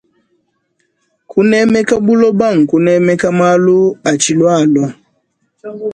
Kunemeka buloba nkunemeka malu atshilualua.